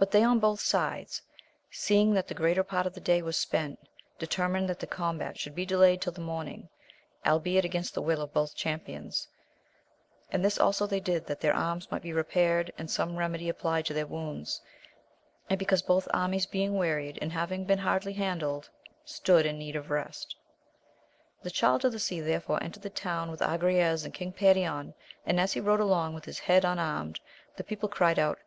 UT they on both sides, seeing that the greater part of the day was spent, determined that the combat should be delayed till the mor row, albeit against the will of both champions, and this also they did that their arms might be repaired, and some remedy applied to their wounds, and be cause both armies being wearied, and having been hardly handled, stood in need of rest. The Child of the Sea therefore entered the town with Agrayes and King Perion, and as he rode along with his head un armed, the people cried out.